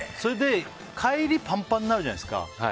帰りパンパンになるじゃないですか。